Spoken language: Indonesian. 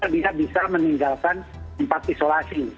dia bisa meninggalkan tempat isolasi